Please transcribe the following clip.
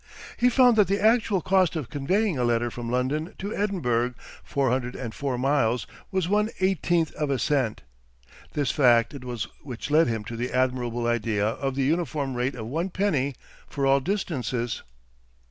He found that the actual cost of conveying a letter from London to Edinburgh, four hundred and four miles, was one eighteenth of a cent! This fact it was which led him to the admirable idea of the uniform rate of one penny for all distances.